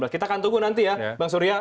kita akan tunggu nanti ya bang surya